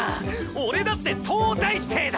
俺だって東大生だ！